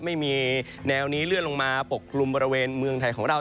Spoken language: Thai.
ไม่มีแนวนี้เลื่อนลงมาปกคลุมบริเวณเมืองไทยของเรา